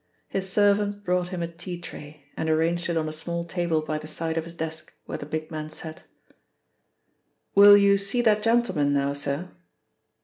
His servant brought him a tea tray and arranged it on a small table by the side of his desk, where the big man sat. "Will you see that gentleman now, sir?"